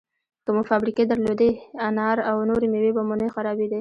که مو فابریکې درلودی، انار او نورې مېوې به مو نه خرابېدې!